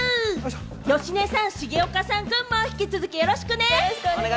芳根さん、重岡さん、グッモ！を引き続きよろしくね。